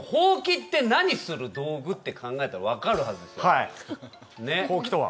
箒って何する道具？って考えたら分かるはずですよねっ。